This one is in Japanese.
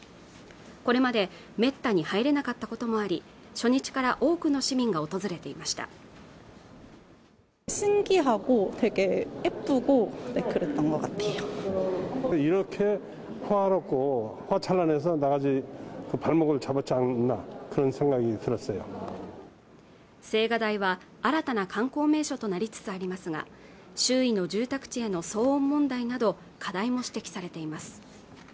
これまでめったに入れなかったこともあり初日から多くの市民が訪れていました青瓦台は新たな観光名所となりつつありますが周囲の住宅地への騒音問題など課題も指摘されています